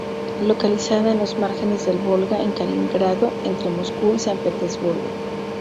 Localizada en los márgenes del Volga en Kaliningrado, entre Moscú y San Petersburgo.